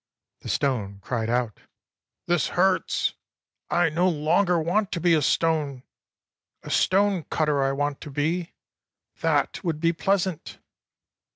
The stone cried out: "This hurts. I no longer want to be a stone. A stone cutter I want to be. That would be pleasant."